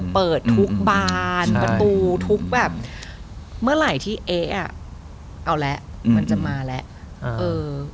เปิดทุกบานกระตูทุกแบบเมื่ออะไรที่เอเอาและมันจะมาและเอ